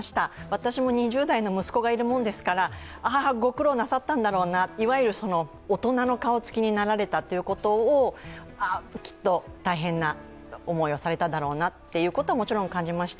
私も２０代の息子がいるものですから、ご苦労なさったんだな、いわゆる大人の顔つきになられたということを、きっと大変な思いをされただろうなということはもちろん感じました。